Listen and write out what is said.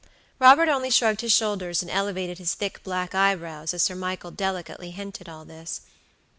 Robert only shrugged his shoulders and elevated his thick, black eyebrows as Sir Michael delicately hinted all this.